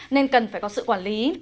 nên cần phải có sự quản lý